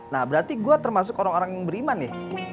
nah berarti gue termasuk orang orang yang beriman nih